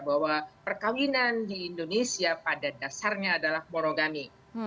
bahwa perkawinan di indonesia pada dasarnya adalah moroganik